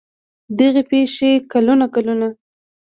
دغې پېښې کلونه کلونه